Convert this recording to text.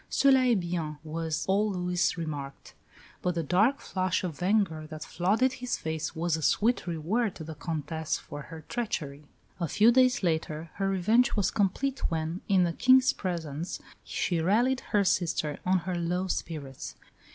"Cela est bien" was all Louis remarked, but the dark flush of anger that flooded his face was a sweet reward to the Comtesse for her treachery. A few days later her revenge was complete when, in the King's presence, she rallied her sister on her low spirits.